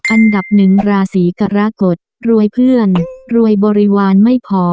อันดับหนึ่งราศีกรกฎรวยเพื่อนรวยบริวารไม่พอ